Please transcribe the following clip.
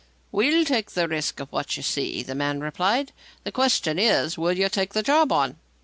"We'll take the risk of what you see," the man replied. "The question is, will you take the job on?"